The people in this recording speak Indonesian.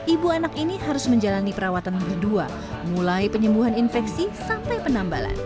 ibu anak ini harus menjalani perawatan berdua mulai penyembuhan infeksi sampai penambalan